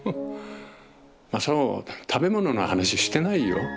正雄食べ物の話してないよ。